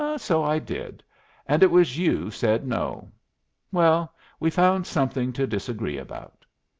"So I did. And it was you said no. Well, we found something to disagree about."